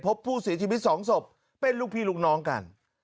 พบผู้เสียชีวิตสองศพเป็นลูกพี่ลูกน้องกัน